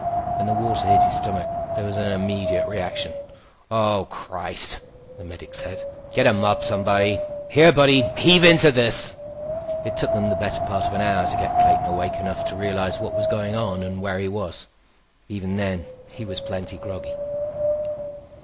When the water hit his stomach, there was an immediate reaction. "Oh, Christ!" the medic said. "Get a mop, somebody. Here, bud; heave into this." He put a basin on the table in front of Clayton. It took them the better part of an hour to get Clayton awake enough to realize what was going on and where he was. Even then, he was plenty groggy.